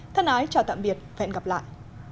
thân ái chào tạm biệt và hẹn gặp lại